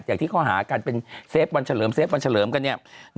ที่เขาหากันเป็นเซฟวันเฉลิมเฟฟวันเฉลิมกันเนี่ย